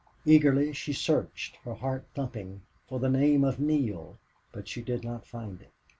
Eagerly she searched, her heart thumping, for the name of Neale, but she did not find it.